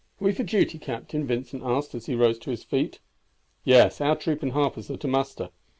are we for duty, captain?" Vincent asked as he rose to his feet. "Yes; our troop and Harper's are to muster.